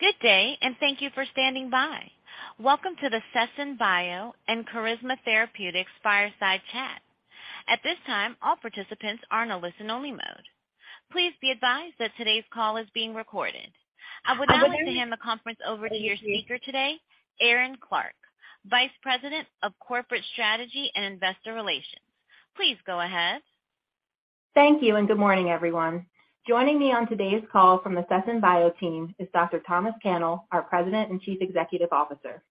Good day. Thank you for standing by. Welcome to the Sesen Bio and Carisma Therapeutics fireside chat. At this time, all participants are in a listen-only mode. Please be advised that today's call is being recorded. I would now like to hand the conference over to your speaker today, Erin Clark, Vice President of Corporate Strategy and Investor Relations. Please go ahead. Thank you. Good morning, everyone. Joining me on today's call from the Sesen Bio team is Dr. Thomas Cannell, our President and Chief Executive Officer.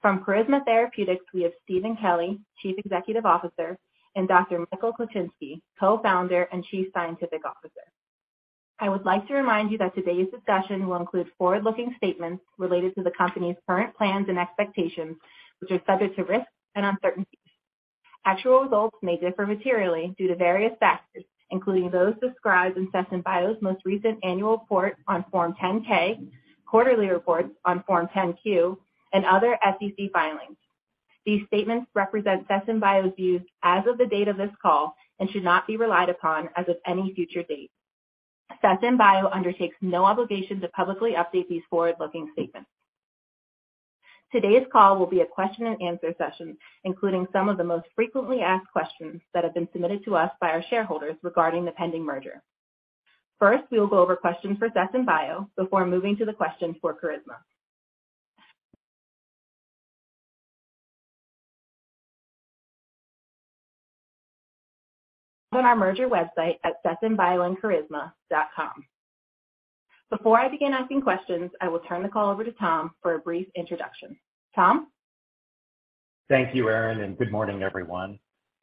From Carisma Therapeutics, we have Steven Kelly, Chief Executive Officer, and Dr. Michael Klichinsky, Co-founder and Chief Scientific Officer. I would like to remind you that today's discussion will include forward-looking statements related to the company's current plans and expectations, which are subject to risks and uncertainties. Actual results may differ materially due to various factors, including those described in Sesen Bio's most recent annual report on Form 10-K, quarterly report on Form 10-Q, and other SEC filings. These statements represent Sesen Bio's views as of the date of this call and should not be relied upon as of any future date. Sesen Bio undertakes no obligation to publicly update these forward-looking statements. Today's call will be a question-and-answer session, including some of the most frequently asked questions that have been submitted to us by our shareholders regarding the pending merger. We will go over questions for Sesen Bio before moving to the questions for Carisma. On our merger website at sesenbioandcarisma.com. Before I begin asking questions, I will turn the call over to Tom for a brief introduction. Tom? Thank you, Erin, and good morning, everyone.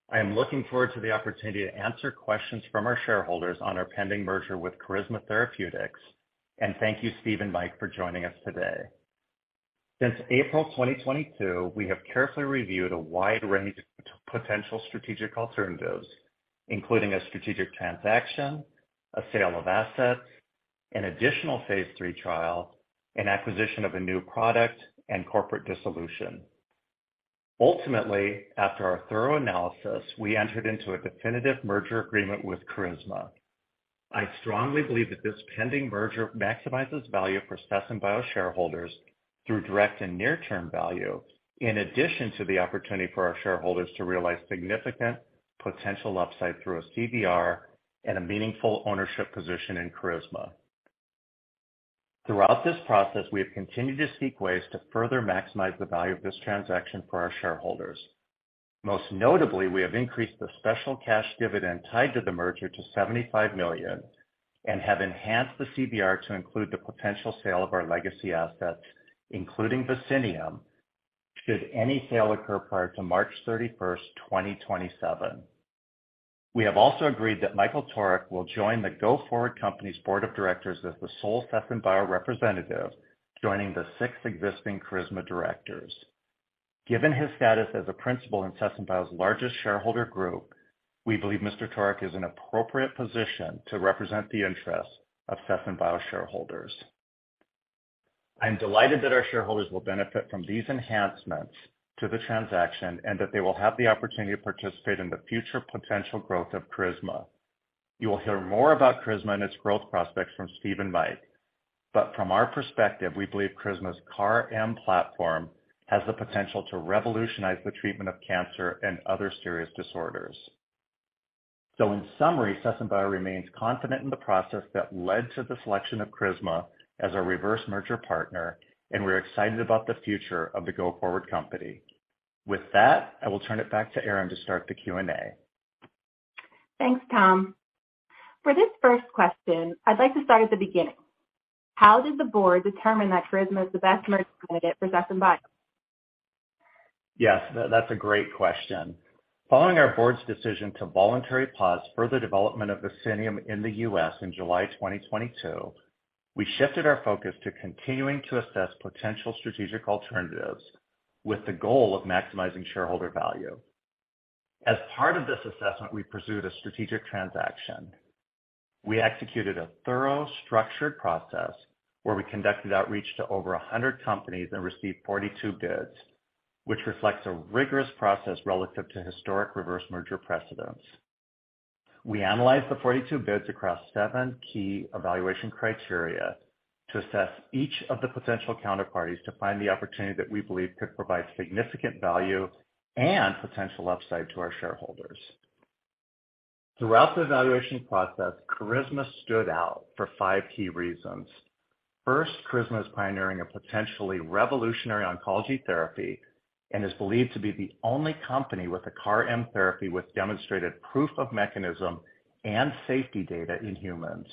I am looking forward to the opportunity to answer questions from our shareholders on our pending merger with Carisma Therapeutics, and thank you, Steve and Mike, for joining us today. Since April 2022, we have carefully reviewed a wide range of potential strategic alternatives, including a strategic transaction, a sale of assets, an additional phase three trial, an acquisition of a new product, and corporate dissolution. Ultimately, after our thorough analysis, we entered into a definitive merger agreement with Carisma. I strongly believe that this pending merger maximizes value for Sesen Bio shareholders through direct and near-term value, in addition to the opportunity for our shareholders to realize significant potential upside through a CBR and a meaningful ownership position in Carisma. Throughout this process, we have continued to seek ways to further maximize the value of this transaction for our shareholders. Most notably, we have increased the special cash dividend tied to the merger to $75 million and have enhanced the CBR to include the potential sale of our legacy assets, including Vicinium, should any sale occur prior to March 31st, 2027. We have also agreed that Michael Torok will join the go-forward company's board of directors as the sole Sesen Bio representative, joining the six existing Carisma directors. Given his status as a principal in Sesen Bio's largest shareholder group, we believe Mr. Torok is in appropriate position to represent the interests of Sesen Bio shareholders. I'm delighted that our shareholders will benefit from these enhancements to the transaction, and that they will have the opportunity to participate in the future potential growth of Carisma. You will hear more about Carisma and its growth prospects from Steve and Mike. From our perspective, we believe Carisma's CAR M platform has the potential to revolutionize the treatment of cancer and other serious disorders. In summary, Sesen Bio remains confident in the process that led to the selection of Carisma as our reverse merger partner, and we're excited about the future of the go-forward company. With that, I will turn it back to Erin to start the Q&A. Thanks, Tom. For this first question, I'd like to start at the beginning. How did the board determine that Carisma is the best merger candidate for Sesen Bio? Yes, that's a great question. Following our board's decision to voluntarily pause further development of Vicinium in the U.S. in July 2022, we shifted our focus to continuing to assess potential strategic alternatives with the goal of maximizing shareholder value. As part of this assessment, we pursued a strategic transaction. We executed a thorough, structured process where we conducted outreach to over 100 companies and received 42 bids, which reflects a rigorous process relative to historic reverse merger precedents. We analyzed the 42 bids across seven key evaluation criteria to assess each of the potential counterparties to find the opportunity that we believe could provide significant value and potential upside to our shareholders. Throughout the evaluation process, Carisma stood out for five key reasons. First, Carisma is pioneering a potentially revolutionary oncology therapy and is believed to be the only company with a CAR M therapy with demonstrated proof of mechanism and safety data in humans.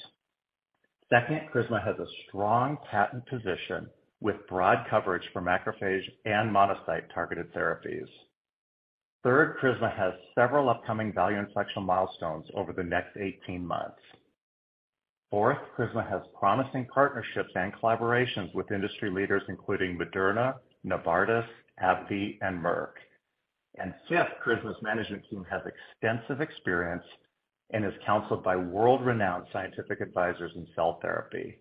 Second, Carisma has a strong patent position with broad coverage for macrophage and monocyte-targeted therapies. Third, Carisma has several upcoming value inflection milestones over the next 18 months. Fourth, Carisma has promising partnerships and collaborations with industry leaders, including Moderna, Novartis, AbbVie, and Merck. Fifth, Carisma's management team has extensive experience and is counseled by world-renowned scientific advisors in cell therapy.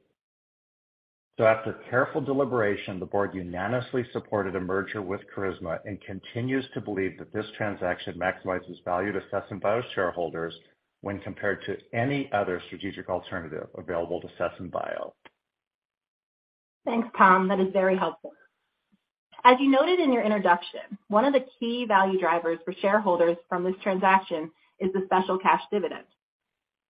After careful deliberation, the board unanimously supported a merger with Carisma and continues to believe that this transaction maximizes value to Sesen Bio shareholders when compared to any other strategic alternative available to Sesen Bio. Thanks, Tom. That is very helpful. As you noted in your introduction, one of the key value drivers for shareholders from this transaction is the special cash dividend.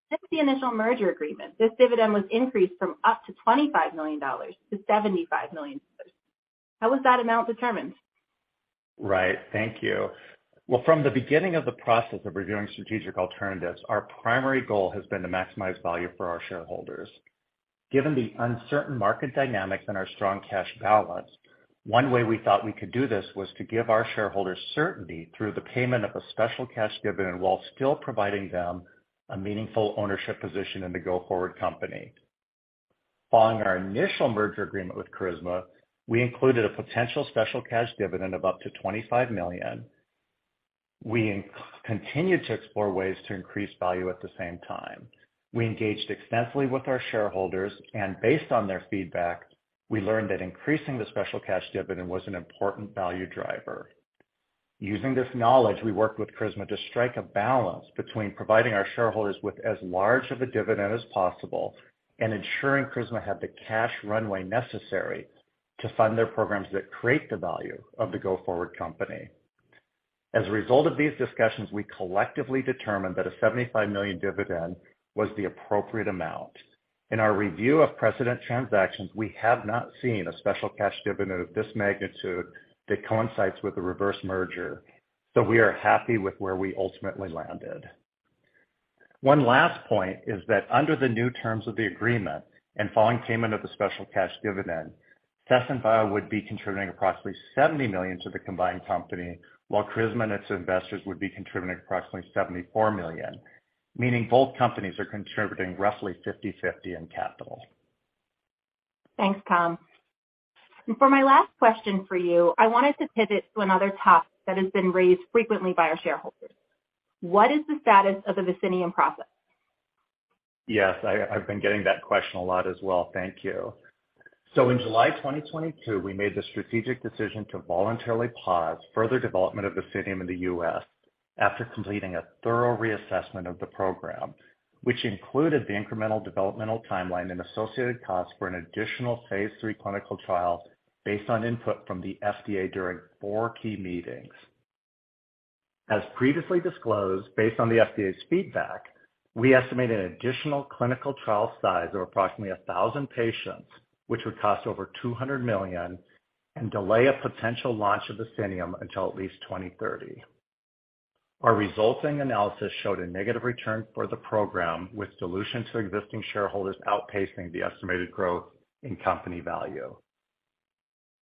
Since the initial merger agreement, this dividend was increased from up to $25 million to $75 million. How was that amount determined? Right. Thank you. From the beginning of the process of reviewing strategic alternatives, our primary goal has been to maximize value for our shareholders. Given the uncertain market dynamics and our strong cash balance, one way we thought we could do this was to give our shareholders certainty through the payment of a special cash dividend while still providing them a meaningful ownership position in the go-forward company. Following our initial merger agreement with Carisma, we included a potential special cash dividend of up to $25 million. We continued to explore ways to increase value at the same time. We engaged extensively with our shareholders and based on their feedback, we learned that increasing the special cash dividend was an important value driver. Using this knowledge, we worked with Carisma to strike a balance between providing our shareholders with as large of a dividend as possible and ensuring Carisma had the cash runway necessary to fund their programs that create the value of the go-forward company. As a result of these discussions, we collectively determined that a $75 million dividend was the appropriate amount. In our review of precedent transactions, we have not seen a special cash dividend of this magnitude that coincides with the reverse merger, so we are happy with where we ultimately landed. One last point is that under the new terms of the agreement and following payment of the special cash dividend, Sesen Bio would be contributing approximately $70 million to the combined company, while Carisma and its investors would be contributing approximately $74 million, meaning both companies are contributing roughly 50/50 in capital. Thanks, Tom. For my last question for you, I wanted to pivot to another topic that has been raised frequently by our shareholders. What is the status of the Vicinium process? Yes, I've been getting that question a lot as well. Thank you. In July 2022, we made the strategic decision to voluntarily pause further development of Vicinium in the U.S. after completing a thorough reassessment of the program, which included the incremental developmental timeline and associated costs for an additional phase three clinical trial based on input from the FDA during four key meetings. As previously disclosed, based on the FDA's feedback, we estimate an additional clinical trial size of approximately 1,000 patients, which would cost over $200 million and delay a potential launch of Vicinium until at least 2030. Our resulting analysis showed a negative return for the program, with dilution to existing shareholders outpacing the estimated growth in company value.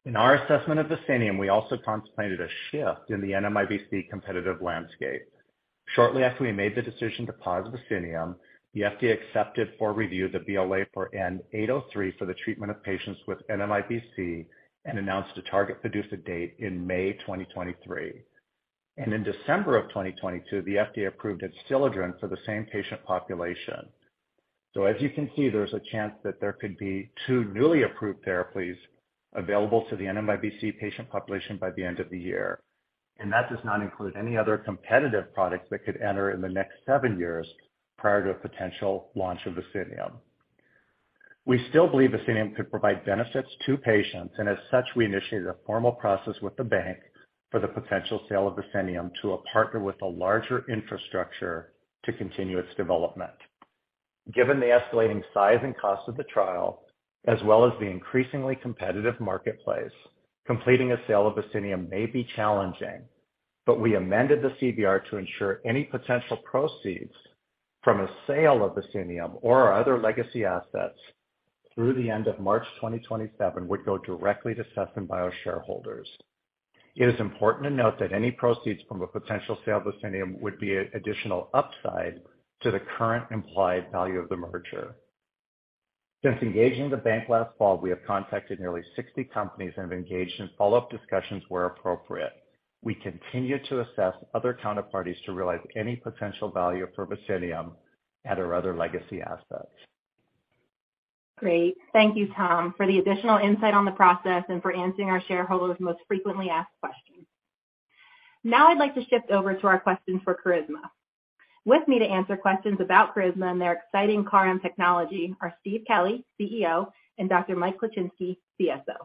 In our assessment of Vicinium, we also contemplated a shift in the NMIBC competitive landscape. Shortly after we made the decision to pause Vicinium, the FDA accepted for review the BLA for N-803 for the treatment of patients with NMIBC and announced a target producing date in May 2023. In December of 2022, the FDA approved Adcetris for the same patient population. As you can see, there's a chance that there could be two newly approved therapies available to the NMIBC patient population by the end of the year, and that does not include any other competitive products that could enter in the next seven years prior to a potential launch of Vicinium. We still believe Vicinium could provide benefits to patients, and as such, we initiated a formal process with the bank for the potential sale of Vicinium to a partner with a larger infrastructure to continue its development. Given the escalating size and cost of the trial, as well as the increasingly competitive marketplace, completing a sale of Vicinium may be challenging. We amended the CBR to ensure any potential proceeds from a sale of Vicinium or our other legacy assets through the end of March 2027 would go directly to Sesen Bio shareholders. It is important to note that any proceeds from a potential sale of Vicinium would be an additional upside to the current implied value of the merger. Since engaging the bank last fall, we have contacted nearly 60 companies and have engaged in follow-up discussions where appropriate. We continue to assess other counterparties to realize any potential value for Vicinium and/or other legacy assets. Great. Thank you, Tom, for the additional insight on the process and for answering our shareholders' most frequently asked questions. I'd like to shift over to our questions for Carisma. With me to answer questions about Carisma and their exciting CAR M technology are Steven Kelly, CEO, and Dr. Mike Klichinsky, CSO.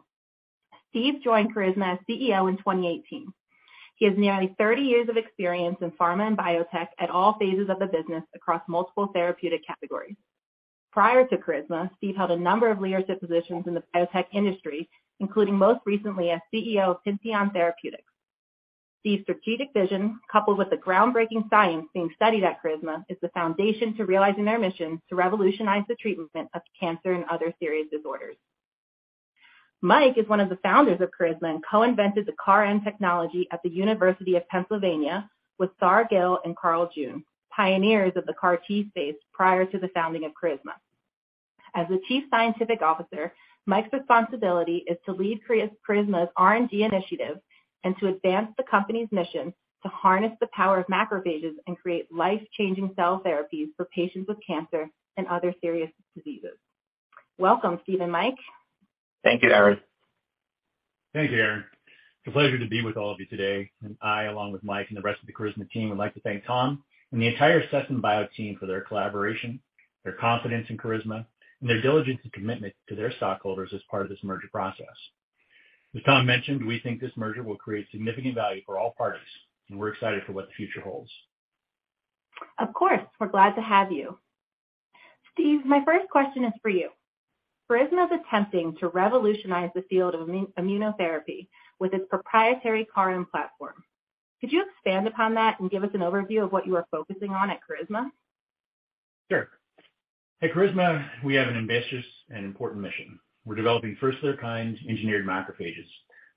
Steven joined Carisma as CEO in 2018. He has nearly 30 years of experience in pharma and biotech at all phases of the business across multiple therapeutic categories. Prior to Carisma, Steven held a number of leadership positions in the biotech industry, including most recently as CEO of Pinteon Therapeutics. Steven's strategic vision, coupled with the groundbreaking science being studied at Carisma, is the foundation to realizing their mission to revolutionize the treatment of cancer and other serious disorders. Mike is one of the founders of Carisma and co-invented the CAR M technology at the University of Pennsylvania with Saar Gill and Carl June, pioneers of the CAR T space prior to the founding of Carisma. As the chief scientific officer, Mike's responsibility is to lead Carisma's R&D initiatives and to advance the company's mission to harness the power of macrophages and create life-changing cell therapies for patients with cancer and other serious diseases. Welcome, Steve and Mike. Thank you, Erin. Thank you, Erin. It's a pleasure to be with all of you today. I, along with Mike and the rest of the Carisma team, would like to thank Tom and the entire Sesen Bio team for their collaboration, their confidence in Carisma, and their diligence and commitment to their stockholders as part of this merger process. As Tom mentioned, we think this merger will create significant value for all parties, and we're excited for what the future holds. Of course. We're glad to have you. Steve, my first question is for you. Carisma is attempting to revolutionize the field of immunotherapy with its proprietary CAR M platform. Could you expand upon that and give us an overview of what you are focusing on at Carisma? Sure. At Carisma, we have an ambitious and important mission. We're developing first-of-their-kind engineered macrophages,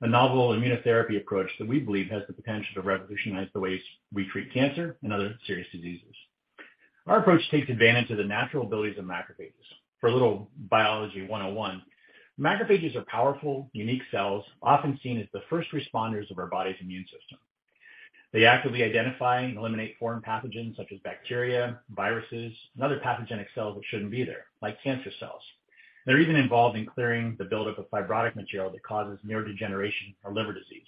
a novel immunotherapy approach that we believe has the potential to revolutionize the way we treat cancer and other serious diseases. Our approach takes advantage of the natural abilities of macrophages. For a little biology 101, macrophages are powerful, unique cells, often seen as the first responders of our body's immune system. They actively identify and eliminate foreign pathogens such as bacteria, viruses, and other pathogenic cells that shouldn't be there, like cancer cells. They're even involved in clearing the buildup of fibrotic material that causes neurodegeneration or liver disease.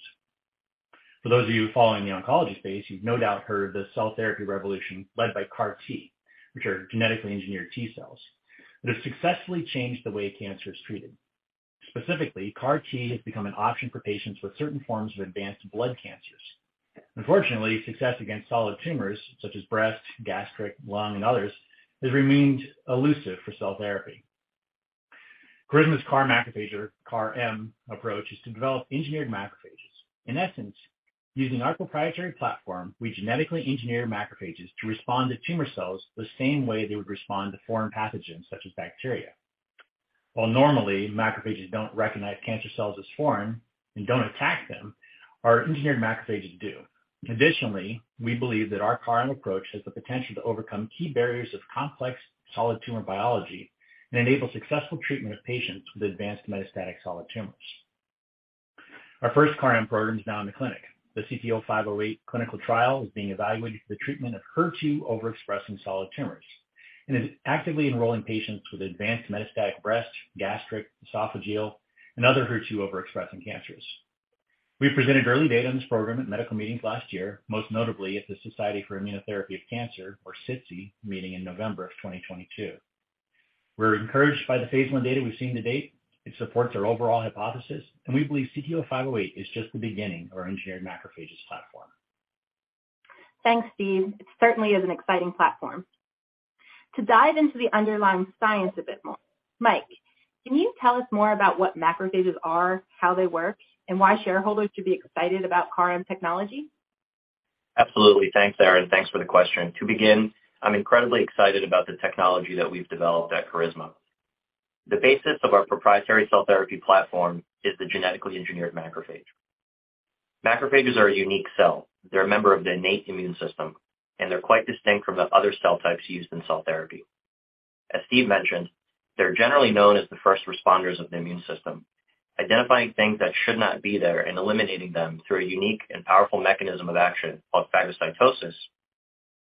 For those of you following the oncology space, you've no doubt heard the cell therapy revolution led by CAR T, which are genetically engineered T cells, that have successfully changed the way cancer is treated. Specifically, CAR T has become an option for patients with certain forms of advanced blood cancers. Unfortunately, success against solid tumors such as breast, gastric, lung, and others, has remained elusive for cell therapy. Carisma's CAR macrophage or CAR M approach is to develop engineered macrophages. In essence, using our proprietary platform, we genetically engineer macrophages to respond to tumor cells the same way they would respond to foreign pathogens such as bacteria. While normally, macrophages don't recognize cancer cells as foreign and don't attack them, our engineered macrophages do. Additionally, we believe that our CAR M approach has the potential to overcome key barriers of complex solid tumor biology and enable successful treatment of patients with advanced metastatic solid tumors. Our first CAR M program is now in the clinic. The CT-0508 clinical trial is being evaluated for the treatment of HER2 overexpressing solid tumors, and is actively enrolling patients with advanced metastatic breast, gastric, esophageal, and other HER2 overexpressing cancers. We presented early data on this program at medical meetings last year, most notably at the Society for Immunotherapy of Cancer, or SITC meeting in November 2022. We're encouraged by the phase I data we've seen to date. It supports our overall hypothesis, and we believe CT-0508 is just the beginning of our engineered macrophages platform. Thanks, Steve. It certainly is an exciting platform. To dive into the underlying science a bit more, Mike, can you tell us more about what macrophages are, how they work, and why shareholders should be excited about CAR M technology? Absolutely. Thanks, Erin. Thanks for the question. To begin, I'm incredibly excited about the technology that we've developed at Carisma. The basis of our proprietary cell therapy platform is the genetically engineered macrophage. Macrophages are a unique cell. They're a member of the innate immune system, and they're quite distinct from the other cell types used in cell therapy. As Steve mentioned, they're generally known as the first responders of the immune system, identifying things that should not be there and eliminating them through a unique and powerful mechanism of action called phagocytosis,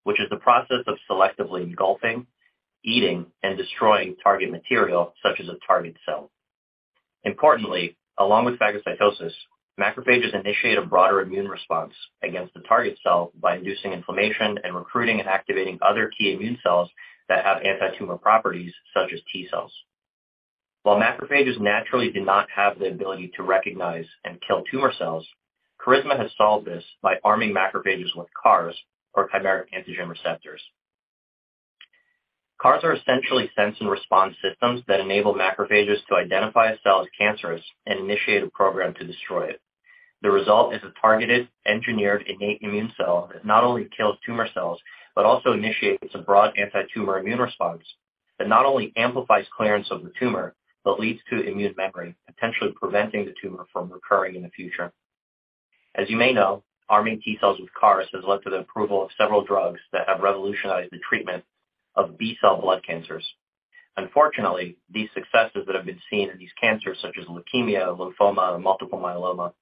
which is the process of selectively engulfing, eating, and destroying target material such as a target cell. Importantly, along with phagocytosis, macrophages initiate a broader immune response against the target cell by inducing inflammation and recruiting and activating other key immune cells that have antitumor properties, such as T cells. While macrophages naturally do not have the ability to recognize and kill tumor cells, Carisma has solved this by arming macrophages with CARs or chimeric antigen receptors. CARs are essentially sense and respond systems that enable macrophages to identify a cell as cancerous and initiate a program to destroy it. The result is a targeted, engineered, innate immune cell that not only kills tumor cells, but also initiates a broad antitumor immune response that not only amplifies clearance of the tumor, but leads to immune memory, potentially preventing the tumor from recurring in the future. As you may know, arming T cells with CARs has led to the approval of several drugs that have revolutionized the treatment of B cell blood cancers. Unfortunately, these successes that have been seen in these cancers such as leukemia, lymphoma, and multiple myeloma,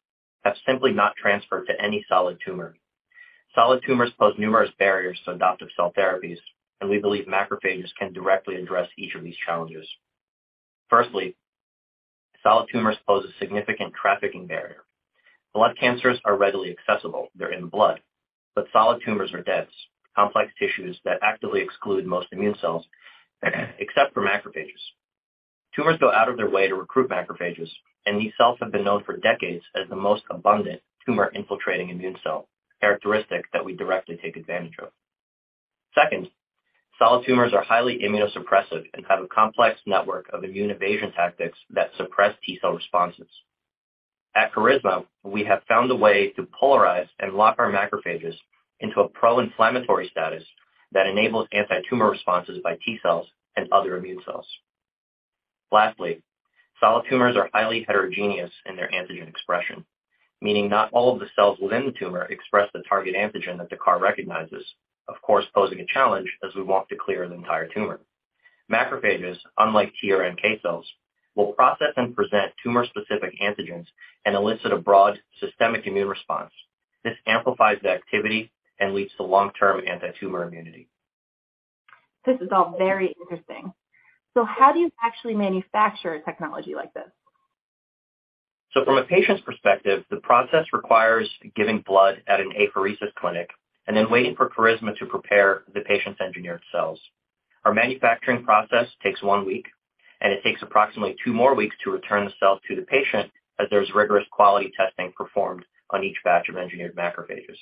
have simply not transferred to any solid tumor. Solid tumors pose numerous barriers to adoptive cell therapies, and we believe macrophages can directly address each of these challenges. Firstly, solid tumors pose a significant trafficking barrier. Blood cancers are readily accessible. They're in the blood. Solid tumors are dense, complex tissues that actively exclude most immune cells, except for macrophages. Tumors go out of their way to recruit macrophages, and these cells have been known for decades as the most abundant tumor-infiltrating immune cell, a characteristic that we directly take advantage of. Second, solid tumors are highly immunosuppressive and have a complex network of immune evasion tactics that suppress T cell responses. At Carisma, we have found a way to polarize and lock our macrophages into a pro-inflammatory status that enables antitumor responses by T cells and other immune cells. Lastly, solid tumors are highly heterogeneous in their antigen expression, meaning not all of the cells within the tumor express the target antigen that the CAR recognizes. Of course, posing a challenge as we want to clear the entire tumor. Macrophages, unlike TRM cells, will process and present tumor-specific antigens and elicit a broad systemic immune response. This amplifies the activity and leads to long-term antitumor immunity. This is all very interesting. How do you actually manufacture a technology like this? From a patient's perspective, the process requires giving blood at an apheresis clinic and then waiting for Carisma to prepare the patient's engineered cells. Our manufacturing process takes one week, and it takes approximately two more weeks to return the cells to the patient as there's rigorous quality testing performed on each batch of engineered macrophages.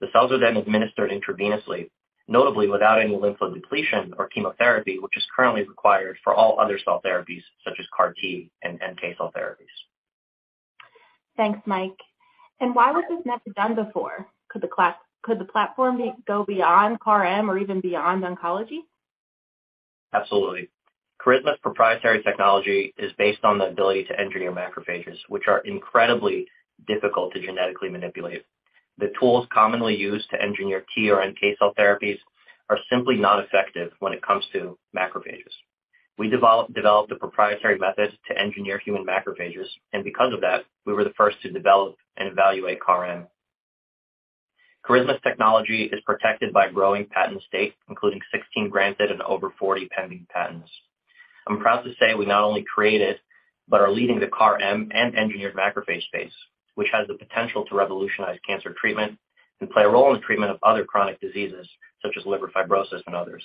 The cells are then administered intravenously, notably without any lymphodepletion or chemotherapy, which is currently required for all other cell therapies such as CAR T and NK cell therapies. Thanks, Mike. Why was this never done before? Could the platform go beyond CAR M or even beyond oncology? Absolutely. Carisma's proprietary technology is based on the ability to engineer macrophages, which are incredibly difficult to genetically manipulate. The tools commonly used to engineer T or NK cell therapies are simply not effective when it comes to macrophages. We developed a proprietary method to engineer human macrophages, and because of that, we were the first to develop and evaluate CAR M. Carisma's technology is protected by growing patent state, including 16 granted and over 40 pending patents. I'm proud to say we not only created, but are leading the CAR M and engineered macrophage space, which has the potential to revolutionize cancer treatment and play a role in the treatment of other chronic diseases such as liver fibrosis and others.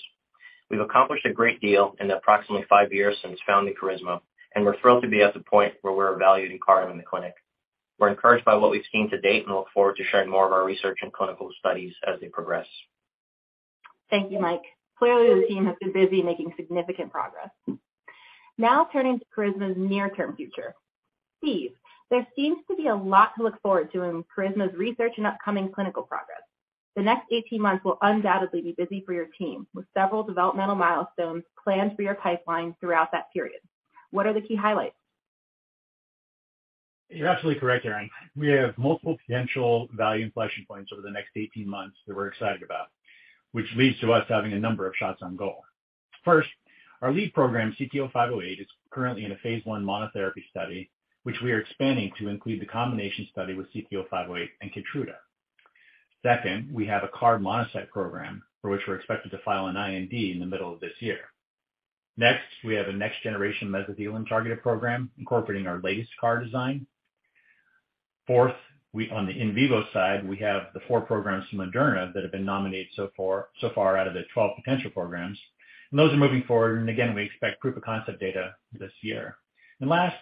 We've accomplished a great deal in the approximately five years since founding Carisma, and we're thrilled to be at the point where we're evaluating CAR M in the clinic. We're encouraged by what we've seen to date and look forward to sharing more of our research and clinical studies as they progress. Thank you, Mike. Clearly, the team has been busy making significant progress. Turning to Carisma's near-term future. Steve, there seems to be a lot to look forward to in Carisma's research and upcoming clinical progress. The next 18 months will undoubtedly be busy for your team, with several developmental milestones planned for your pipeline throughout that period. What are the key highlights? You're absolutely correct, Erin. We have multiple potential value inflection points over the next 18 months that we're excited about, which leads to us having a number of shots on goal. First, our lead program, CT-0508, is currently in a phase 1 monotherapy study, which we are expanding to include the combination study with CT-0508 and Keytruda. Second, we have a CAR monocyte program for which we're expected to file an IND in the middle of this year. We have a next-generation mesothelin-targeted program incorporating our latest CAR design. Fourth, on the in vivo side, we have the four programs from Moderna that have been nominated so far, so far out of the 12 potential programs, and those are moving forward. We expect proof of concept data this year. Last,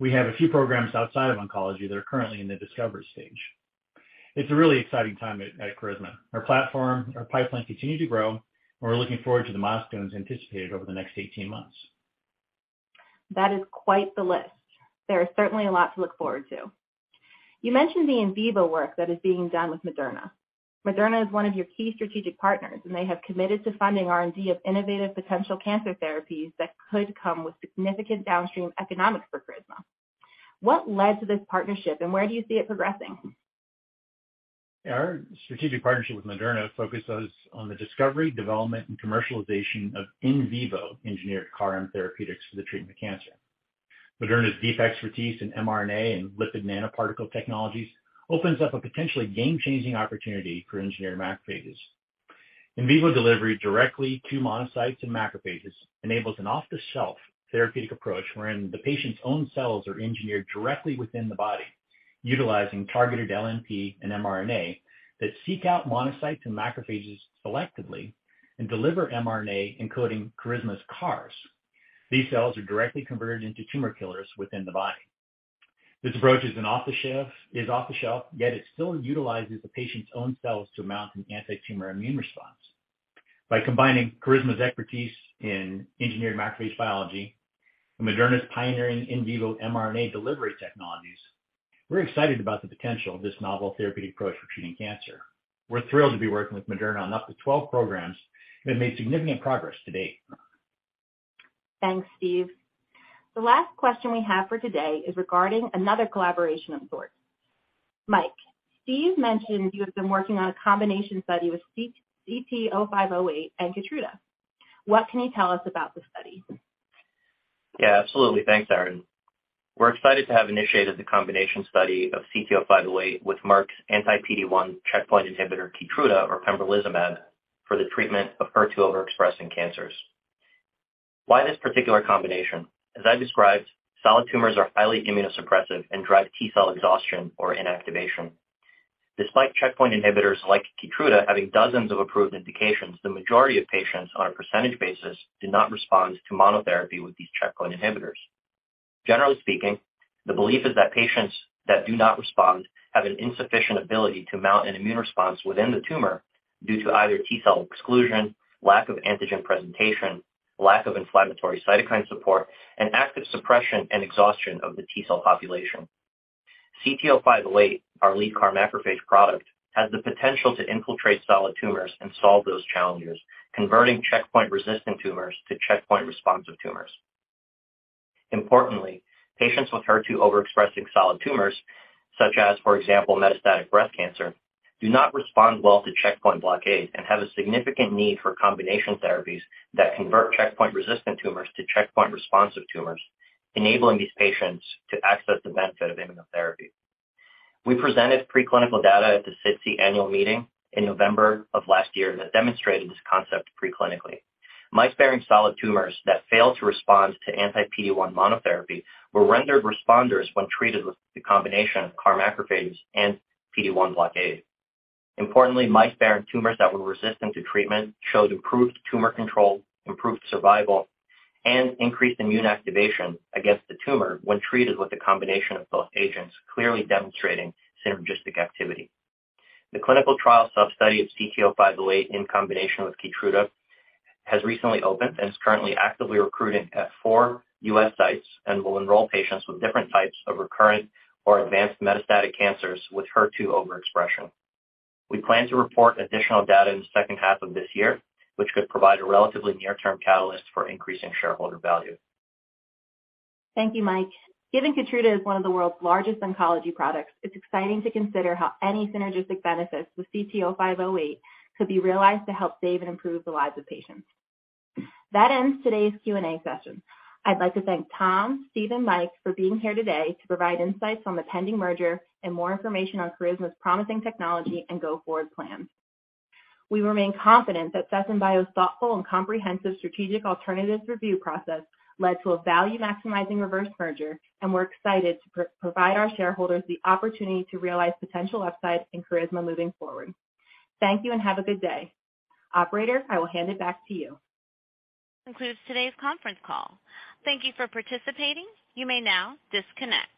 we have a few programs outside of oncology that are currently in the discovery stage. It's a really exciting time at Carisma. Our platform, our pipeline continue to grow, and we're looking forward to the milestones anticipated over the next 18 months. That is quite the list. There is certainly a lot to look forward to. You mentioned the in vivo work that is being done with Moderna. Moderna is one of your key strategic partners, and they have committed to funding R&D of innovative potential cancer therapies that could come with significant downstream economics for Carisma. What led to this partnership, and where do you see it progressing? Our strategic partnership with Moderna focuses on the discovery, development, and commercialization of in vivo engineered CAR M therapeutics for the treatment of cancer. Moderna's deep expertise in mRNA and lipid nanoparticle technologies opens up a potentially game-changing opportunity for engineered macrophages. In vivo delivery directly to monocytes and macrophages enables an off-the-shelf therapeutic approach wherein the patient's own cells are engineered directly within the body, utilizing targeted LNP and mRNA that seek out monocytes and macrophages selectively and deliver mRNA encoding Carisma's CARs. These cells are directly converted into tumor killers within the body. This approach is off-the-shelf, yet it still utilizes the patient's own cells to mount an antitumor immune response. Combining Carisma's expertise in engineered macrophage biology and Moderna's pioneering in vivo mRNA delivery technologies, we're excited about the potential of this novel therapeutic approach for treating cancer. We're thrilled to be working with Moderna on up to 12 programs that have made significant progress to date. Thanks, Steve. The last question we have for today is regarding another collaboration of sorts. Mike, Steve mentioned you have been working on a combination study with CT-0508 and Keytruda. What can you tell us about this study? Yeah, absolutely. Thanks, Erin. We're excited to have initiated the combination study of CT-0508 with Merck's anti-PD-1 checkpoint inhibitor Keytruda or pembrolizumab for the treatment of HER2 overexpressing cancers. Why this particular combination? As I described, solid tumors are highly immunosuppressive and drive T cell exhaustion or inactivation. Despite checkpoint inhibitors like Keytruda having dozens of approved indications, the majority of patients on a percentage basis do not respond to monotherapy with these checkpoint inhibitors. Generally speaking, the belief is that patients that do not respond have an insufficient ability to mount an immune response within the tumor due to either T cell exclusion, lack of antigen presentation, lack of inflammatory cytokine support, and active suppression and exhaustion of the T cell population. CT-0508, our lead CAR macrophage product, has the potential to infiltrate solid tumors and solve those challenges, converting checkpoint-resistant tumors to checkpoint-responsive tumors. Importantly, patients with HER2 overexpressing solid tumors, such as for example, metastatic breast cancer, do not respond well to checkpoint blockade and have a significant need for combination therapies that convert checkpoint-resistant tumors to checkpoint-responsive tumors, enabling these patients to access the benefit of immunotherapy. We presented preclinical data at the SITC annual meeting in November of last year that demonstrated this concept preclinically. Mice bearing solid tumors that failed to respond to anti-PD-1 monotherapy were rendered responders when treated with the combination of CAR macrophages and PD-1 blockade. Importantly, mice bearing tumors that were resistant to treatment showed improved tumor control, improved survival, and increased immune activation against the tumor when treated with a combination of both agents, clearly demonstrating synergistic activity. The clinical trial substudy of CT-0508 in combination with Keytruda has recently opened and is currently actively recruiting at four U.S. sites and will enroll patients with different types of recurrent or advanced metastatic cancers with HER2 overexpression. We plan to report additional data in the second half of this year, which could provide a relatively near-term catalyst for increasing shareholder value. Thank you, Mike. Given Keytruda is one of the world's largest oncology products, it's exciting to consider how any synergistic benefits with CT-0508 could be realized to help save and improve the lives of patients. That ends today's Q&A session. I'd like to thank Tom, Steve, and Mike for being here today to provide insights on the pending merger and more information on Carisma's promising technology and go-forward plans. We remain confident that Sesen Bio's thoughtful and comprehensive strategic alternatives review process led to a value-maximizing reverse merger. We're excited to provide our shareholders the opportunity to realize potential upside in Carisma moving forward. Thank you and have a good day. Operator, I will hand it back to you. This concludes today's conference call. Thank you for participating. You may now disconnect.